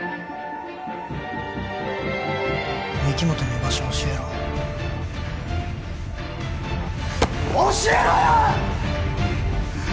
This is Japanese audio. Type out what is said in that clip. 御木本の居場所を教えろ教えろよ！